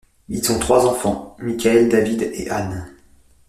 Ils ont trois enfants, Michael, David et Ann.